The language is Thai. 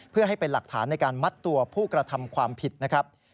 เพื่อให้เป็นหลักฐานในการมัดตัวผู้กระทำความผิดนะครับ